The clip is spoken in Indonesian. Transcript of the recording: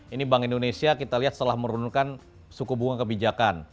ini bank indonesia kita lihat setelah menurunkan suku bunga kebijakan